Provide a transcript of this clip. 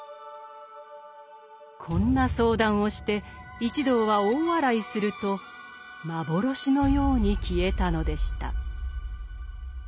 こんな相談をして一同は大笑いすると幻のように消えたのでした。